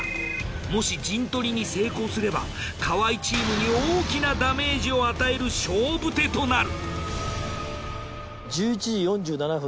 もし陣取りに成功すれば河合チームに大きなダメージを与える勝負手となる。